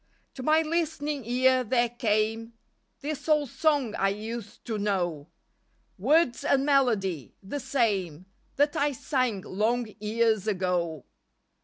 LIFE WAVES 13 To my listening ear there came This old song I used to know, Words and melody, the same That I sang long years ago.